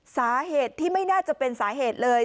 สาเหตุที่ไม่น่าจะเป็นสาเหตุเลย